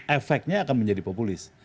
efeknya akan menjadi populis